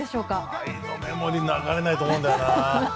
「愛のメモリー」流れないと思うんだよな。